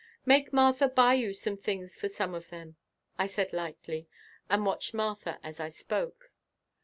"Make Martha buy you some things for some of them," I said lightly and watched Martha as I spoke.